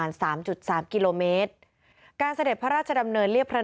ในเวลาเดิมคือ๑๕นาทีครับ